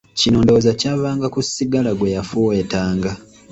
Kino ndowooza kyavanga ku ssigala gwe yafuweetanga.